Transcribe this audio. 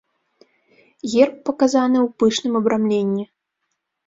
Герб паказаны ў пышным абрамленні.